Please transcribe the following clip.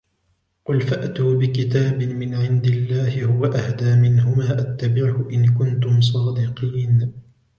قل فأتوا بكتاب من عند الله هو أهدى منهما أتبعه إن كنتم صادقين